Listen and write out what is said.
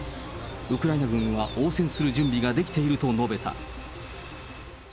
ウクライナ軍は応戦する準備ができていると述べた。